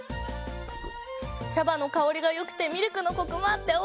茶葉の香りがよくてミルクのコクもあっておいしい！